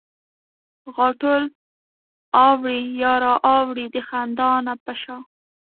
غاټول اوړي او را اوړي د خندا نه په شا